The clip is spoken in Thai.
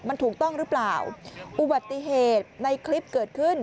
มันถูกต้องหรือเปล่าอุบัติเหตุในคลิปเกิดขึ้น